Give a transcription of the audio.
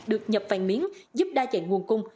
được nhập vàng miếng giúp đa dạng nguồn cung